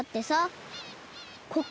ここ。